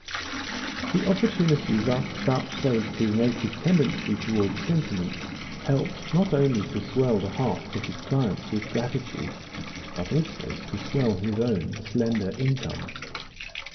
The opportunity thus vouchsafed his native tendency toward sentiment helped not only to swell the hearts of his clients with gratitude, but also to swell his own slender income.